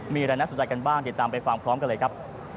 มีอะไรน่าสนใจกันบ้างติดตามไปฟังพร้อมกันเลยครับ